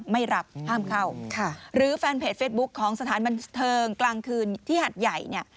ไม่รับห้ามเข้าค่ะหรือแฟนเพจเฟสบุ๊คของสถานบันเทิงกลางคืนที่หัดใหญ่เนี่ย